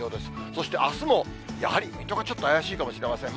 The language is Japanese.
そしてあすも、やはり水戸がちょっと怪しいかもしれません。